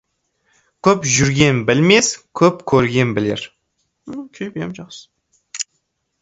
Көп жүрген білмес, көп көрген білер.